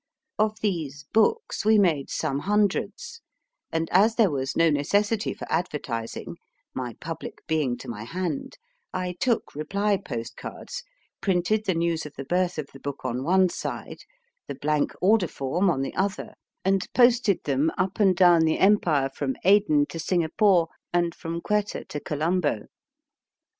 Of these books we made some hundreds, and as there was no necessity for advertising, my public being to my hand, I took reply postcards, printed the news of the birth of the book on one side, the blank order form on the RUDYARD KIPLING 97 other, and posted them up and down the Empire from Aden to Singapore, and from Quetta to Colombo.